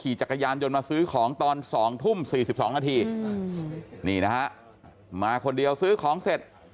เราเพื่อนเราก็โทษ